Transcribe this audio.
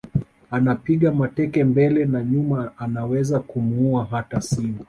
Anapiga mateke mbele na nyuma anaweza kumuua hata Simba